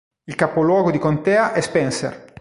Il capoluogo di contea è Spencer.